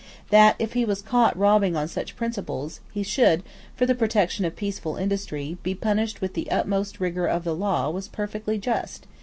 That, if he was caught robbing on such principles, he should, for the protection of peaceful industry, be punished with the utmost rigour of the law was perfectly just.